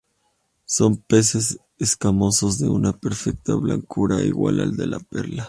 Son peces escamosos de una perfecta blancura, igual al de una perla.